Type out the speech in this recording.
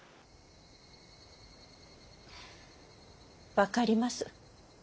分かります。